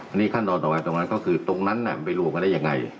อันนี้ขั้นตอนต่อไปตรงนั้นก็คือตรงนั้นไปรวมกันได้ยังไง